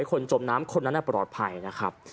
ขอให้คนจมน้ำคนนั้นนะปลอทภัยนะครับ